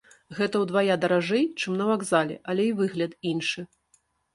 Гэта ўдвая даражэй, чым на вакзале, але і выгляд іншы.